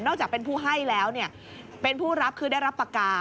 จากเป็นผู้ให้แล้วเป็นผู้รับคือได้รับปากกา